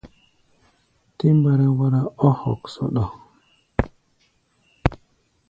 Tɛ mbáráwárá ɔ́ hoksoɗo.